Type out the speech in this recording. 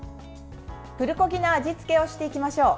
プルコギの味付けをしていきましょう。